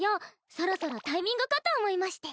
そろそろタイミングかと思いまして。